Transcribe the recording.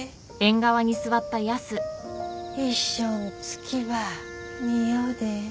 一緒ん月ば見よで。